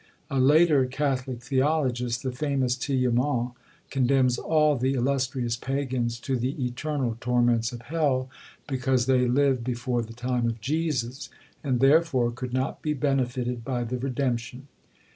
A later catholic theologist, the famous Tillemont, condemns all the illustrious pagans to the eternal torments of Hell? because they lived before the time of Jesus, and therefore could not be benefited by the redemption!